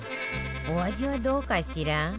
お味はどうかしら？